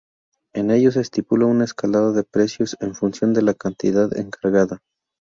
En ellos, se estipula un escalado de precios en función de la cantidad encargada.